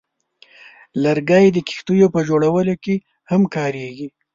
لرګی د کښتیو په جوړولو کې هم کارېږي.